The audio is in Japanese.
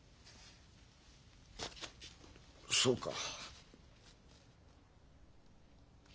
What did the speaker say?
そうか。